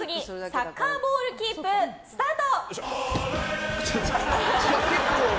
サッカーボールキープスタート！